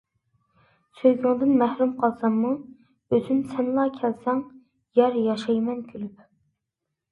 سۆيگۈڭدىن مەھرۇم قالساممۇ ئۈزۈم، سەنلا كۈلسەڭ يار ياشايمەن كۈلۈپ.